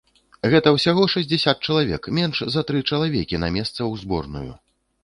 Гэта ўсяго шэсцьдзесят чалавек, менш за тры чалавекі на месца ў зборную.